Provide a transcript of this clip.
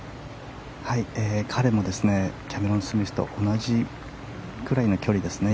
彼もキャメロン・スミスと同じくらいの距離ですね。